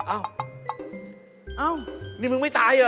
อ้าวอ้าวนี่มึงไม่ตายอ่ะ